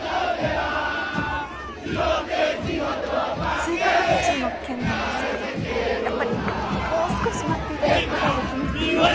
追加発注の件なんですけどやっぱりもう少し待っていただくことはできますか？